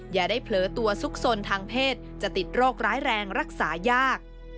อย่าได้เผลอตัวซุกสนทางเพศจะติดโรคร้ายแรงรักษายาก